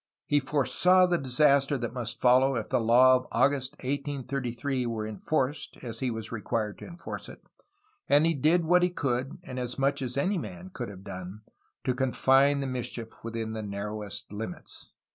He foresaw the disaster that must follow if the law of August, 1833, were enforced as he was required to enforce it, and he did what he could and as much as any man could have done, to confine the mischief within the narrowest limits."